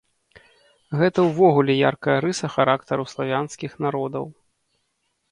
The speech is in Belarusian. Гэта ўвогуле яркая рыса характару славянскіх народаў.